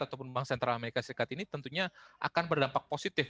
ataupun bank sentral amerika serikat ini tentunya akan berdampak positif